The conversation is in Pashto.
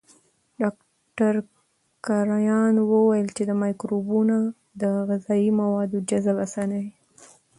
ډاکټر کرایان وویل چې مایکروبونه د غذایي موادو جذب اسانوي.